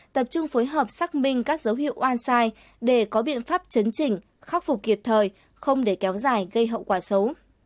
tập trung phối hợp xác minh các dấu hiệu oan sai để có biện pháp chấn chỉnh khắc phục kịp thời không để kéo dài gây hậu quả xấu